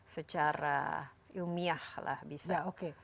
secara ilmiah lah bisa